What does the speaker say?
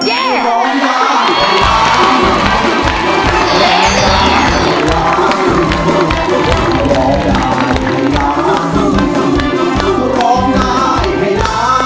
ร้องได้ให้ล้าน